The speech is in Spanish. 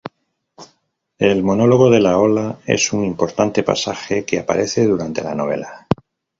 El monólogo de "la ola" es un importante pasaje que aparece durante la novela.